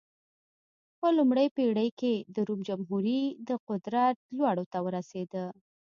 په لومړۍ پېړۍ کې د روم جمهوري د قدرت لوړو ته ورسېده.